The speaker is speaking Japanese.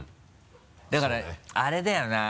だからあれだよな。